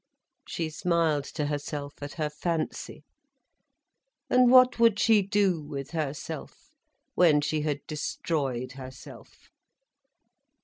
She smiled to herself at her fancy. And what would she do with herself, when she had destroyed herself?